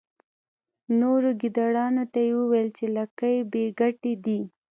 نورو ګیدړانو ته یې وویل چې لکۍ بې ګټې دي.